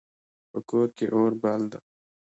په کور کې اور بل ده